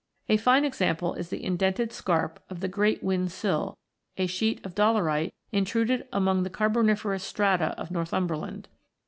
A fine example is the indented scarp of the Great WTiin Sill, a sheet of dolerite intruded among the Carboniferous strata of Northumberland.